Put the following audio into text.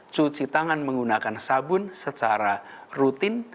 cuci tangan menggunakan sabun secara rutin